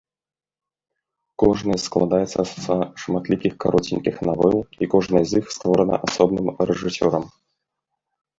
Кожны складаецца са шматлікіх кароценькіх навел, і кожная з іх створана асобным рэжысёрам.